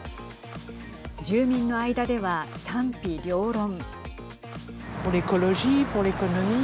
住民の間では賛否両論。